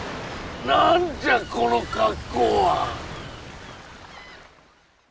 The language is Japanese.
何じゃこの格好は！？